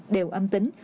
đều âm tính